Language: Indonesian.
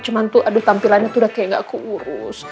cuman tuh aduh tampilannya tuh udah kayak gak keurus